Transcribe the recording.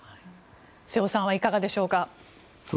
瀬尾さんはいかがでしょうか。